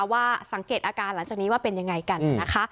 ว่าสังเกตอาการหลังจากนี้ว่าเป็นยังไงกันนะคะ